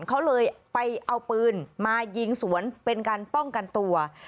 เขาเลยไปเอาปืนมายิงสวนเป็นการป้องกันตัว